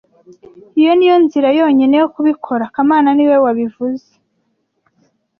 Iyo niyo nzira yonyine yo kubikora kamana niwe wabivuze